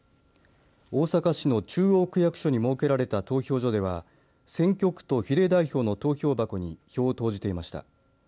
大阪市の中央区役所に設けられた投票所では選挙区と比例代表の投票箱に票を投じていました。